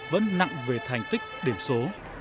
vẫn nặng về thành tích điểm số